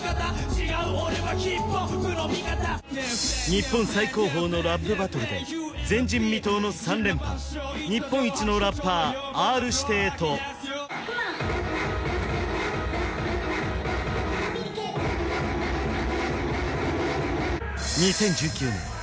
日本最高峰のラップバトルで前人未到の３連覇日本一のラッパーＲ−指定と２０１９年